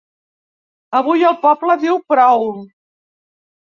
Avui el poble diu prou!